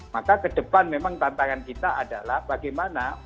maka ke depan memang tantangan kita adalah bagaimana